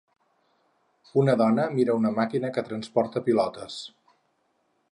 Una dona mira una màquina que transporta pilotes.